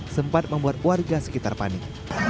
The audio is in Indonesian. sempat membuat warga sekitar panik